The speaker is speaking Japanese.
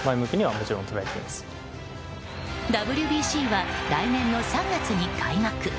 ＷＢＣは来年の３月に開幕。